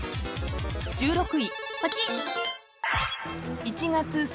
［１６位］